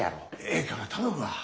ええから頼むわ。